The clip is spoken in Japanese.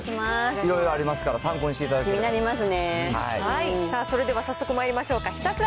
いろいろありますから、参考にしていただけたら。